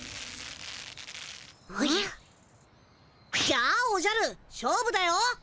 じゃあおじゃる勝負だよ！